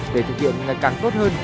để thực hiện ngày càng tốt hơn